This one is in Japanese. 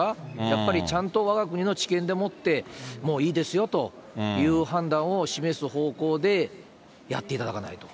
やっぱりちゃんとわが国の知見でもって、もういいですよという判断を示す方向でやっていただかないと。